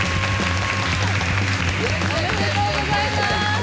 おめでとうございます！